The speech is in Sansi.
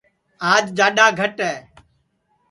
آج جاڈؔا گھٹ ہے